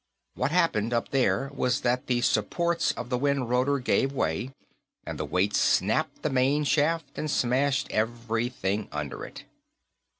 What happened, up there, was that the supports of the wind rotor gave way, and weight snapped the main shaft, and smashed everything under it."